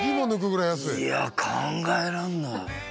いやあ考えられない。